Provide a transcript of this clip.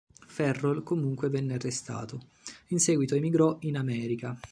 Ferrol comunque venne arrestato, in seguito emigrò in America.